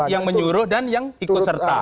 yang menyuruh dan yang ikut serta